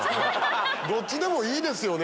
どっちでもいいですよね。